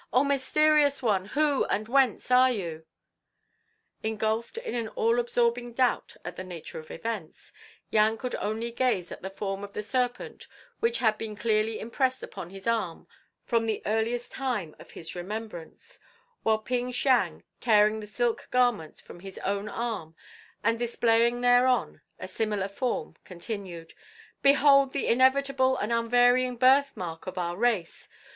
O mysterious one, who and whence are you?" Engulfed in an all absorbing doubt at the nature of events, Yang could only gaze at the form of the serpent which had been clearly impressed upon his arm from the earliest time of his remembrance, while Ping Siang, tearing the silk garment from his own arm and displaying thereon a similar form, continued: "Behold the inevitable and unvarying birthmark of our race!